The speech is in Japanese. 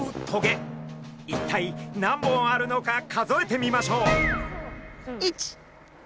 一体何本あるのか数えてみましょう。